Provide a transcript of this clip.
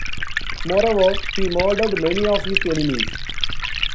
Moreover, he murdered many of his enemies.